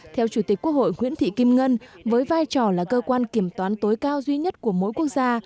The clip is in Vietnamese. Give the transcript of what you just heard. theo chủ tịch quốc hội nguyễn thị kim ngân với vai trò là cơ quan kiểm toán tối cao duy nhất của mỗi quốc gia